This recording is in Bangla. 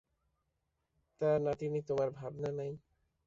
তা নাতিনী, তোমার ভাবনা নাই।